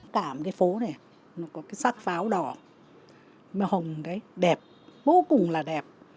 cảm cái phố này nó có cái sắc pháo đỏ màu hồng đấy đẹp vô cùng là đẹp